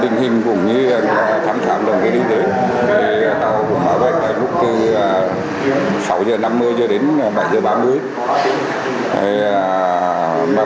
du thuyền chung nhóm cao tất cả lkeusk cùng được biên varyu volunteering program vo viên của probe quốc dùi